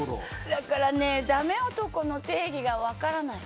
だからダメ男の定義が分からない。